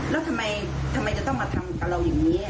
แล้วทำไมจะต้องมาทำกับเราอย่างนี้